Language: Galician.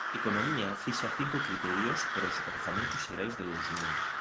Economía fixa cinco criterios para os Orzamentos Xerais do dous mil